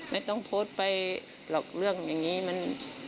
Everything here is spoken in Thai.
ไม่ต้องโพสต์ไปหรอกเรื่องอย่างนี้มัน